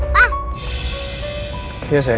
tahan sa tahan